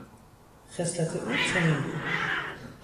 خصلت او چنین بود.